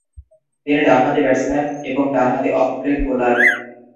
তিনি ডানহাতি ব্যাটসম্যান এবং ডানহাতি অফ-ব্রেক বোলার।